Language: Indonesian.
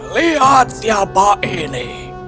lihat siapa ini